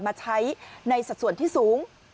มาใช้ในสัดส่วนที่สูง